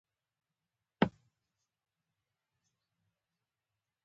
دا خدمتګر د پیرود اجناس په ترتیب کېښودل.